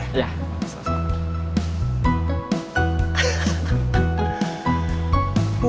mas makasih ya